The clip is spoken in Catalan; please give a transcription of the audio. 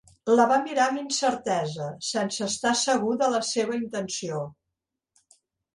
La va mirar amb incertesa, sense estar segur de la seva intenció.